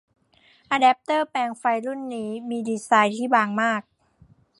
อะแดปเตอร์แปลงไฟรุ่นนี้มีดีไซน์ที่บางมาก